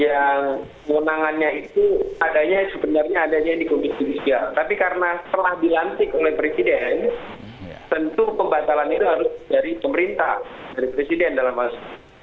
yang menangannya itu adanya sebenarnya adanya di komisi judisial tapi karena telah dilantik oleh presiden tentu pembatalan itu harus dari pemerintah dari presiden dalam hal ini